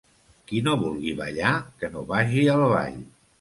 Qui no vulgui ballar que no vagi al ball.